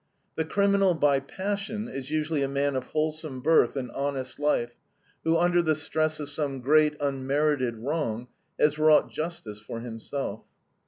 "The criminal by passion is usually a man of wholesome birth and honest life, who under the stress of some great, unmerited wrong has wrought justice for himself."